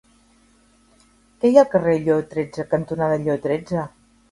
Què hi ha al carrer Lleó tretze cantonada Lleó tretze?